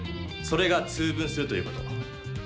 それが「通分」するということ。